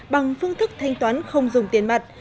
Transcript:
bằng phương thức thanh toán không dùng tiền mặt